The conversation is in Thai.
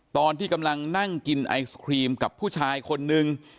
ตอนที่กำลังนั่งกินไอศครีมกับผู้ชายคนนึง